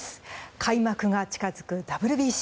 開幕が近づくＷＢＣ。